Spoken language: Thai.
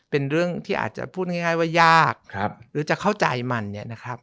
เป็นเรื่องที่อาจจะพูดง่ายว่ายากหรือจะเข้าใจมันเนี่ยนะครับ